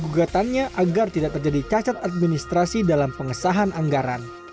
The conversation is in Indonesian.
gugatannya agar tidak terjadi cacat administrasi dalam pengesahan anggaran